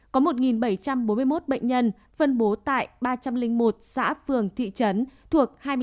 có một bảy trăm bốn mươi một bệnh nhân phân bố tại ba trăm linh một xã phường thị trấn